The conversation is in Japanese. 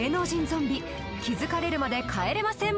ゾンビ気づかれるまで帰れません